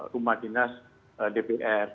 lima puluh rumah dinas dpr